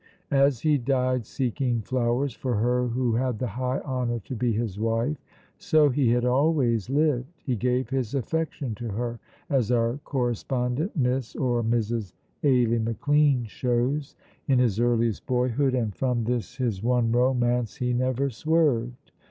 As he died seeking flowers for her who had the high honour to be his wife, so he had always lived. He gave his affection to her, as our correspondent Miss (or Mrs.) Ailie McLean shows, in his earliest boyhood, and from this, his one romance, he never swerved.